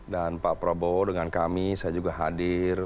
dan pak prabowo dengan kami saya juga hadir